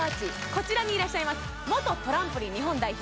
こちらにいらっしゃいます元トランポリン日本代表